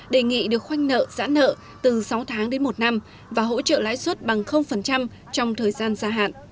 đề nghị được khoanh nợ giã nợ từ sáu tháng đến một năm và hỗ trợ lãi xuất bằng trong thời gian xa hạn